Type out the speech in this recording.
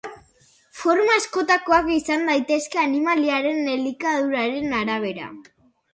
Forma askotakoak izan daitezke animaliaren elikaduraren arabera.